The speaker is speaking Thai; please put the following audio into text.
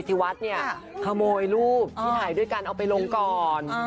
ที่วัดเนี่ยขโมยรูปที่ถ่ายด้วยกันเอาไปลงก่อน